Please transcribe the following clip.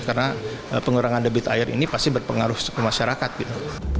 karena pengurangan debit air ini pasti berpengaruh ke masyarakat gitu